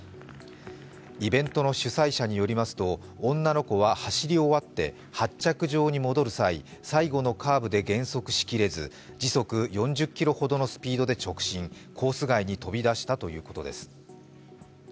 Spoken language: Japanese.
イベントの主催者によりますと女の子は走り終わって発着場に戻る際、最後のカーブで減速しきれず時速４０キロほどのスピードで直進、コース外に飛び出したということです。